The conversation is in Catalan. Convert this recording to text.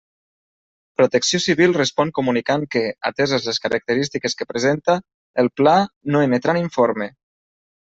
Protecció Civil respon comunicant que, ateses les característiques que presenta el Pla no emetran informe.